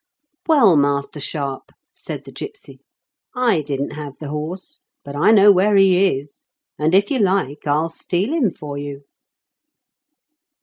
"Well, Master Sharpe," said the gipsy, "I didn't have the horse ; but I know where he is, and, if you like, I'll steal him for you."